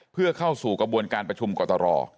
เพื่อเข้าสู่กระบวนการประชุมกตร